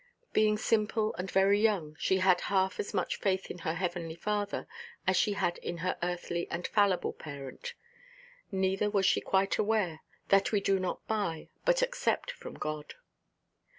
Being simple, and very young, she had half as much faith in her heavenly Father as she had in the earthly and fallible parent; neither was she quite aware that we do not buy, but accept from God.